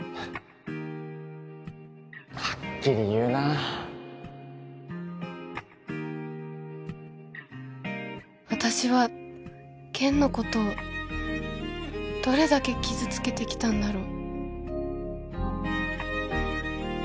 はっきり言うなあ私は健のことをどれだけ傷つけてきたんだろう